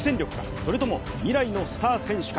それとも未来のスター選手か。